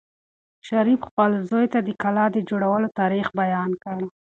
شریف خپل زوی ته د کلا د جوړولو تاریخ بیان کړ.